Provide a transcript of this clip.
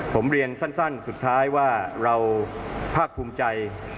ผมเรียนสั้นสุดท้ายว่าเราภาคภูมิใจ